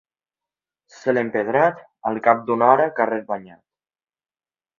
Cel empedrat, al cap d'una hora carrer banyat.